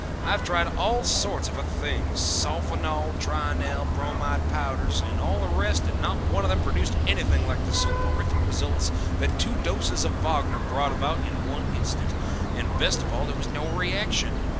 I have tried all sorts of other things sulfonal, trionel, bromide powders, and all the rest and not one of them produced anything like the soporific results that two doses of Wagner brought about in one instant, and best of all there was no reaction.